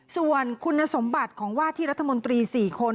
ส่วนคุณสมบัติของว่าที่รัฐมนตรี๔คน